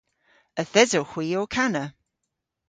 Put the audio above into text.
Yth esewgh hwi ow kana.